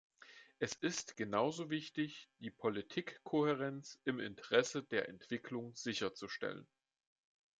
Es ist genauso wichtig, die Politikkohärenz im Interesse der Entwicklung sicherzustellen.